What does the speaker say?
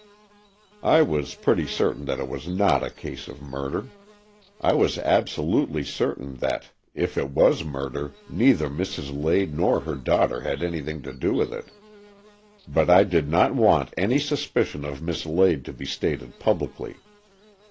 I was pretty certain that it was not a case of murder. I was absolutely certain that, if it was murder, neither Mrs. Lade nor her daughter had anything to do with it. But I did not want any suspicion of Miss Lade to be stated publicly.